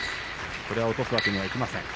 これは落とすわけにはいきません。